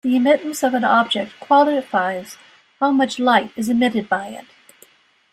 The emittance of an object quantifies how much light is emitted by it.